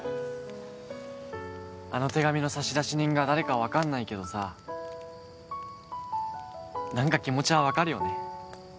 あの手紙の差出人が誰か分かんないけどさ何か気持ちは分かるよね